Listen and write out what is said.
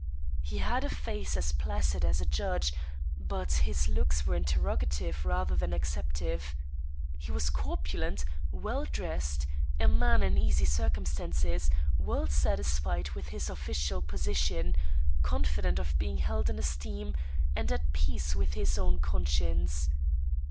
He had a face as placid as a judge ; but his looks were interrogative rather than accep tive. He was corpulent, well dressed, a man in easy circumstances, well satisfied with his official position, confident of being held in es teem, and at peace with his own conscience.